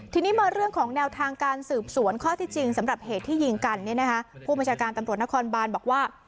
ทีนี้มาเรื่องของแนวทางการสืบสวนข้อที่จริงสำหรับเหตุที่ยิงกันเนี่ยนะคะผู้บัญชาการตำรวจนครบานบอกว่า